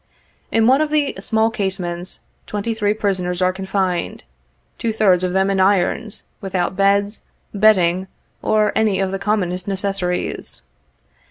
In one of the small casemates, twenty three prisoners are confined, two thirds of them in irons, without beds, bedding, or any of the commonest necessaries.